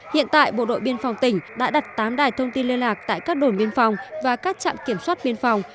hiện tại bộ đội biên phòng tỉnh đã đặt tám đài thông tin liên lạc tại các đồn biên phòng và các trạm kiểm soát biên phòng